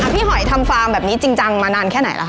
หอยทำฟาร์มแบบนี้จริงจังมานานแค่ไหนล่ะค